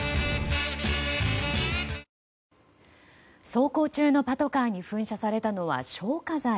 走行中のパトカーに噴射されたのは消火剤。